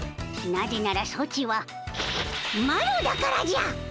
なぜならソチはマロだからじゃ！